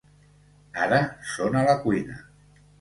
Ara són a la cuina.